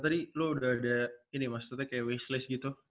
tadi lu udah ada ini maksudnya kayak wishlist gitu